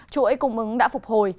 chuỗi cụm ứng đã phục hồi